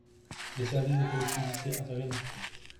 Les services des collectivités interviennent ensuite.